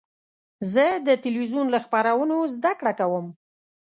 زه د تلویزیون له خپرونو زده کړه کوم.